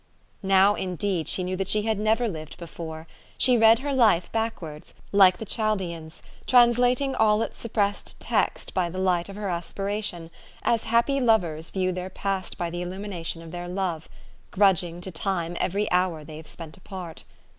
Now, indeed, she knew that she had never lived before. She read her life backwards, like the Chal d leans, translating all its suppressed text by the light of her aspiration, as happy lovers view their past by the illumination of their love, grudging to time every hour they have spent apart.